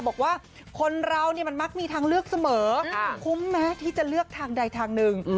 บอกว่าคนเรามันมักมีทางเลือกเสมอคุ้มแม้ที่จะเลือกทางใดทางหนึ่ง